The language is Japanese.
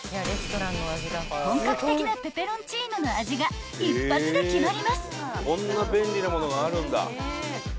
［本格的なペペロンチーノの味が一発で決まります］